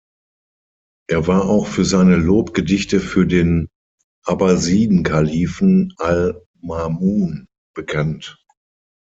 Er war auch für seine Lobgedichte für den Abbasidenkalifen al-Ma'mūn bekannt.